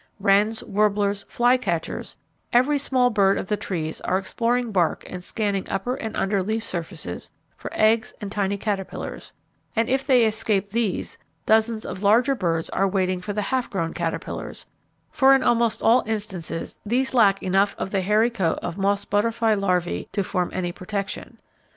Wrens, warblers, flycatchers, every small bird of the trees are exploring bark and scanning upper and under leaf surfaces for eggs and tiny caterpillars, and if they escape these, dozens of larger birds are waiting for the half grown caterpillars, for in almost all instances these lack enough of the hairy coat of moss butterfly larvae to form any protection.